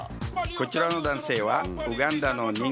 こちらの男性は。